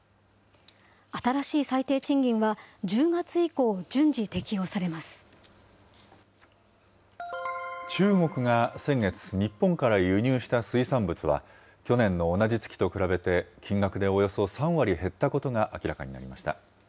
新しい最低賃金は、１０月以降、中国が先月、日本から輸入した水産物は、去年の同じ月と比べて金額でおよそ３割減ったことが明らかになりました。